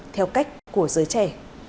theo cách của giới trẻ